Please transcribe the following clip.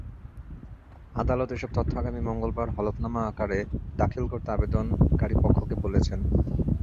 আদালত এসব তথ্য আগামী মঙ্গলবার হলফনামা আকারে দাখিল করতে আবেদনকারীপক্ষকে বলেছেন।